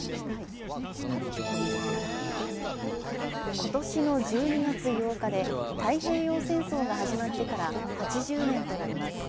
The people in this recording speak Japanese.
ことしの１２月８日で、太平洋戦争が始まってから８０年となります。